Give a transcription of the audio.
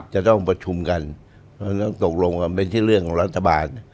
จะต้องประชุมกันต้องตกลงว่าเป็นที่เรื่องของรัฐบาล